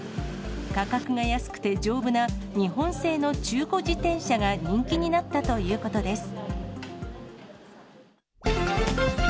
価格が安くて丈夫な日本製の中古自転車が人気になったということです。